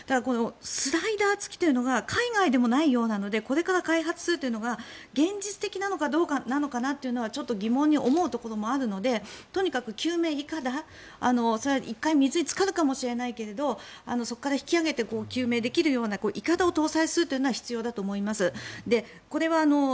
スライダー付きというのが海外でもないようなのでこれから開発するのが現実的なのかどうかもちょっと疑問に思うところもあるのでとにかく救命いかだ１回水につかるかもしれないけれど救命できるようないかだを搭載するのは必要だと思います。